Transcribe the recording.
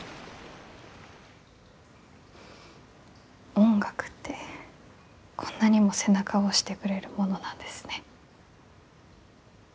音楽ってこんなにも背中を押してくれるものなんですね。